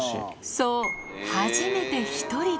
そう、初めて１人で。